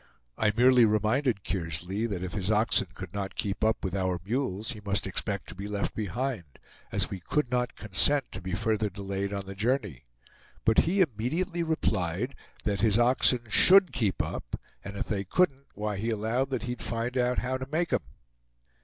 I merely reminded Kearsley that if his oxen could not keep up with our mules he must expect to be left behind, as we could not consent to be further delayed on the journey; but he immediately replied, that his oxen "SHOULD keep up; and if they couldn't, why he allowed that he'd find out how to make 'em!"